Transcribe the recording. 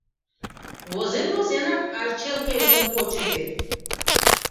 Возен-возенак, арчел кевытым пӧчӧ вет.